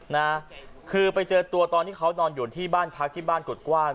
นะคือไปเจอตัวตอนที่เขานอนอยู่ที่บ้านพักที่บ้านกุฎกว้าง